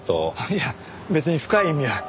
いや別に深い意味は。